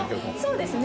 そうですね。